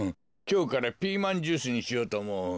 きょうからピーマンジュースにしようとおもう。